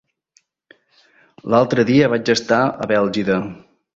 L'altre dia vaig estar a Bèlgida.